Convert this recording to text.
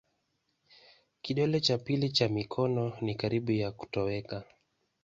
Kidole cha pili cha mikono ni karibu ya kutoweka.